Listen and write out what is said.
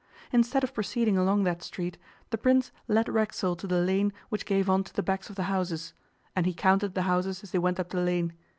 Instead of proceeding along that street, the Prince led Racksole to the lane which gave on to the backs of the houses, and he counted the houses as they went up the lane.